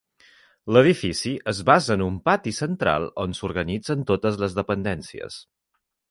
L'edifici es basa en un pati central on s'organitzen totes les dependències.